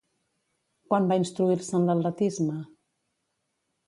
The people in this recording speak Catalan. Quan va instruir-se en l'atletisme?